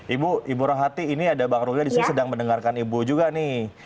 ibu ibu rohati ini ada bang rulia disini sedang mendengarkan ibu juga nih